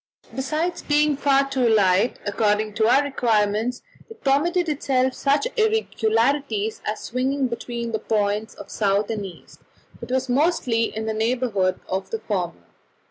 Besides being far too light, according to our requirements, it permitted itself such irregularities as swinging between the points of south and east, but was mostly in the neighbourhood of the former.